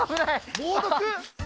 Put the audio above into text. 猛毒？